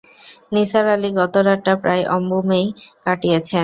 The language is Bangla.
নিসার আলি গত রাতটা প্রায় অম্বুমেই কাটিয়েছেন।